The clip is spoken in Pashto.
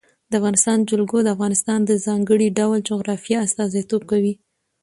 د افغانستان جلکو د افغانستان د ځانګړي ډول جغرافیه استازیتوب کوي.